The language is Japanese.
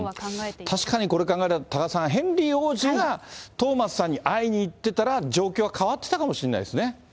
確かに、これ考えたら、多賀さん、ヘンリー王子がトーマスさんに会いに行ってたら、状況は変わっていたかもしれないですね。